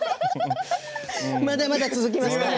まだまだ続きます。